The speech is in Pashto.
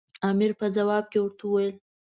امیر په ځواب کې ورته وویل.